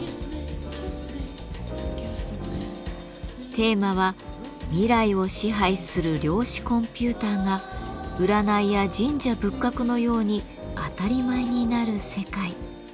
テーマは「未来を支配する量子コンピューターが占いや神社仏閣のように当たり前になる世界」。